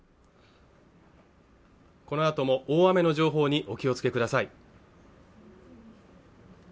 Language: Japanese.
このあとも大雨の情報にお気をつけください。